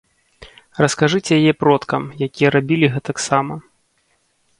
Раскажыце яе продкам, якія рабілі гэтак сама.